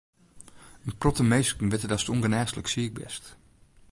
In protte minsken witte datst ûngenêslik siik bist.